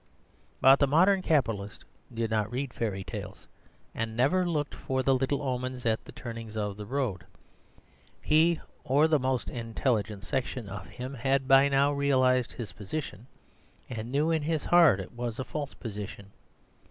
But the modern capitalist did not read fairy tales, and never looked for the little omens at the turnings of the road. He (or the most intelligent section of him) had by now realised his position, and knew in his heart it was a false position.